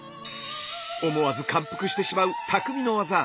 思わず感服してしまう匠の技。